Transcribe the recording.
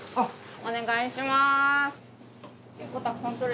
お願いします。